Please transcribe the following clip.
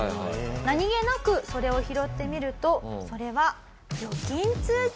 何げなくそれを拾ってみるとそれは預金通帳。